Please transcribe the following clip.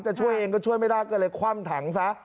จะช่วยเองก็ช่วยไม่ได้ก็เลยคว่ำถังซะ